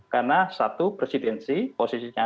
karena satu presidensi posisinya